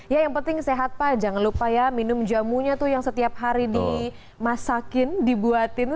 ya yang penting sehat pak jangan lupa ya minum jamunya tuh yang setiap hari dimasakin dibuatin